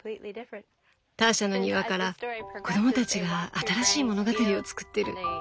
ターシャの庭から子供たちが新しい物語を作ってる！